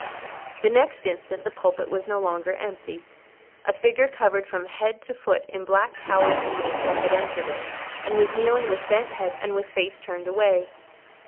The next instant the pulpit was no longer empty. A figure covered from head to foot in black cowl and mantle had entered it, and was kneeling with bent head and with face turned away.